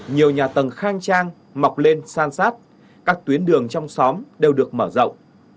nhiều nhà tầng khang trang mọc lên san sát các tuyến đường trong xóm đều được mở rộng